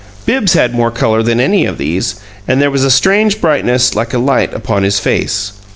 Bibbs had more color than any of these, and there was a strange brightness, like a light, upon his face.